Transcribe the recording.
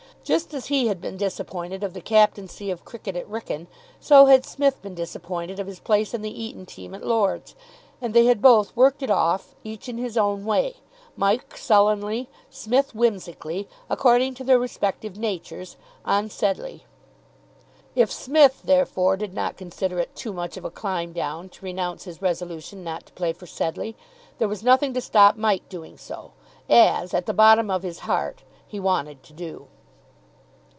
Just as he had been disappointed of the captaincy of cricket at Wrykyn, so had Psmith been disappointed of his place in the Eton team at Lord's. And they had both worked it off, each in his own way Mike sullenly, Psmith whimsically, according to their respective natures on Sedleigh. If Psmith, therefore, did not consider it too much of a climb down to renounce his resolution not to play for Sedleigh, there was nothing to stop Mike doing so, as at the bottom of his heart he wanted to do.